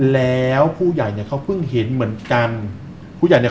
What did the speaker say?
แล้วผู้ใหญ่เขาเพิ่งเห็นเหมือนกัน